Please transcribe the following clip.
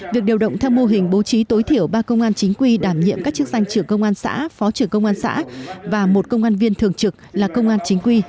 việc điều động theo mô hình bố trí tối thiểu ba công an chính quy đảm nhiệm các chức danh trưởng công an xã phó trưởng công an xã và một công an viên thường trực là công an chính quy